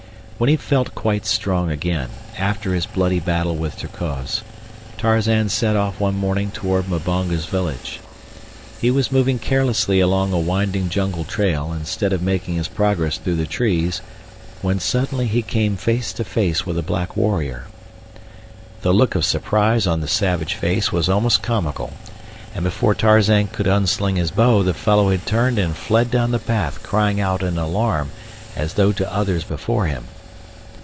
When he felt quite strong again, after his bloody battle with Terkoz, Tarzan set off one morning towards Mbonga's village. He was moving carelessly along a winding jungle trail, instead of making his progress through the trees, when suddenly he came face to face with a black warrior. The look of surprise on the savage face was almost comical, and before Tarzan could unsling his bow the fellow had turned and fled down the path crying out in alarm as though to others before him.